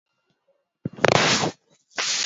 ya pili ikimwonyesha aliyekuwa rais wa tunisia